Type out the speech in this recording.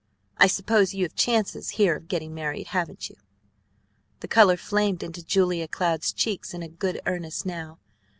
I suppose you have chances here of getting married, haven't you?" The color flamed into Julia Cloud's cheeks in good earnest now.